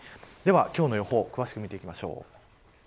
では今日の予報を詳しく見ていきましょう。